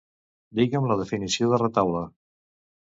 Digue'm la definició de retaule.